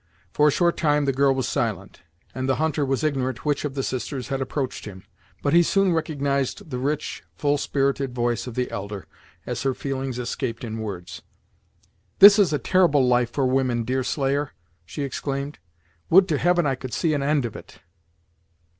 For a short time the girl was silent, and the hunter was ignorant which of the sisters had approached him, but he soon recognized the rich, full spirited voice of the elder, as her feelings escaped in words. "This is a terrible life for women, Deerslayer!" she exclaimed. "Would to Heaven I could see an end of it!"